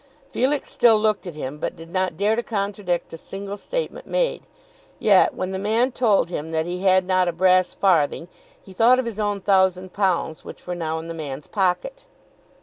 Felix still looked at him but did not dare to contradict a single statement made. Yet when the man told him that he had not a brass farthing he thought of his own thousand pounds which were now in the man's pocket.